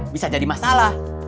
bisa jadi masalah